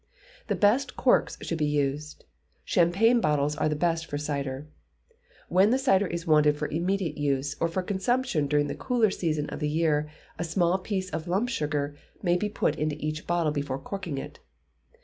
The best corks should be used. Champagne bottles are the best for cider. When the cider is wanted for immediate use, or for consumption during the cooler season of the year, a small piece of lump sugar may be put into each bottle before corking it.